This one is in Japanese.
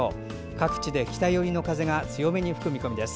各地で北寄りの風が強めに吹く見込みです。